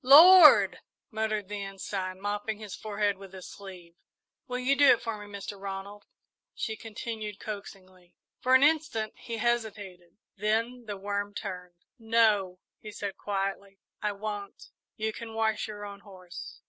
"Lord!" muttered the Ensign, mopping his forehead with his sleeve. "Will you do it for me, Mr. Ronald?" she continued coaxingly. For an instant he hesitated, then the worm turned. "No," he said quietly, "I won't. You can wash your own horse."